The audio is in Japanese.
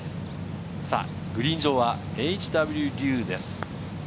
グリーン上はＨ．Ｗ．リューです。